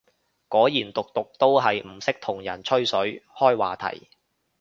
果然毒毒都係唔識同人吹水開話題